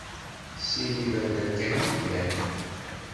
Sin n iberdan kan i yellan.